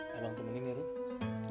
tolong temuin nih rum